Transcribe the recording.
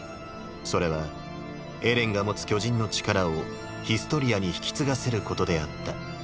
それはエレンが持つ巨人の力をヒストリアに引き継がせることであった